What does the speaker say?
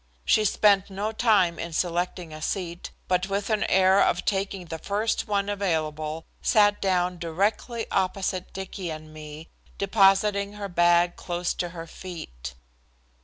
She spent no time in selecting a seat, but with an air of taking the first one available sat down directly opposite Dicky and me, depositing her bag close to her feet.